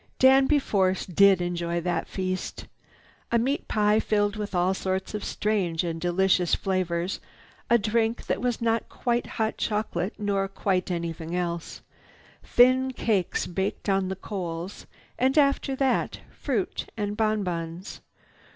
Danby Force did enjoy that feast. A meat pie filled with all sorts of strange and delicious flavors, a drink that was not quite hot chocolate nor quite anything else, thin cakes baked on the coals, and after that fruit and bonbons.